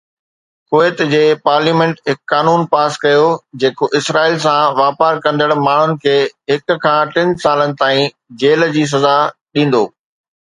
ڪويت جي پارليامينٽ هڪ قانون پاس ڪيو جيڪو اسرائيل سان واپار ڪندڙ ماڻهن کي هڪ کان ٽن سالن تائين جيل جي سزا ڏيندو